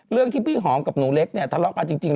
เรื่องที่พี่หอมกับหนูเล็กเนี่ยทะเลาะกันจริง